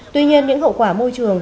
tuy nhiên những hậu quả môi trường